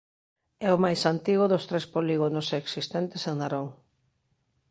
É o máis antigo dos tres polígonos existentes en Narón.